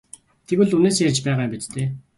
Тэгвэл үнэнээсээ ярьж байгаа юм биз дээ?